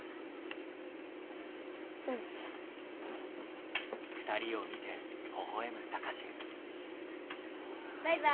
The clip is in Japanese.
うん。バイバイ。